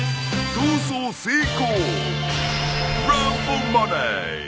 逃走成功！